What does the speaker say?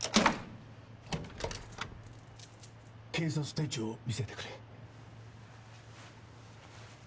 警察手帳を見せてくれ。